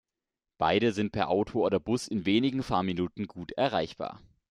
Beide sind per Auto oder Bus in wenigen Fahrminuten gut erreichbar.